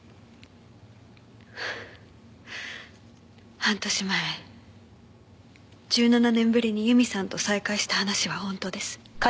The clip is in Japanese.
半年前１７年ぶりに由美さんと再会した話は本当です。